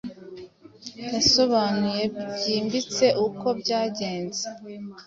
yasobanuye byimbitse uko byagenze